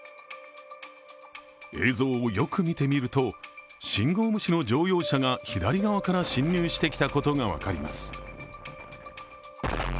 映像をよく見てみると信号無視の乗用車が左側から進入してきたことが分かります。